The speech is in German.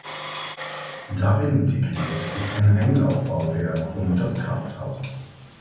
Darin integriert ist ein Einlaufbauwerk und das Krafthaus.